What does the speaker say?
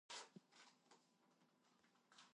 Pheasants typically eat seeds and some insects.